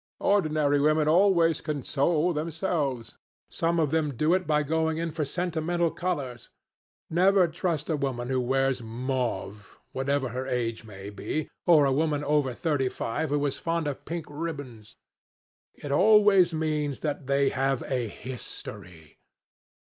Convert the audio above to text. Ordinary women always console themselves. Some of them do it by going in for sentimental colours. Never trust a woman who wears mauve, whatever her age may be, or a woman over thirty five who is fond of pink ribbons. It always means that they have a history.